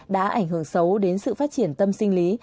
đã ảnh hưởng xấu đến sự phát triển tâm sinh lý